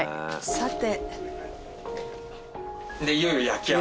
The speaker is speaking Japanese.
さて。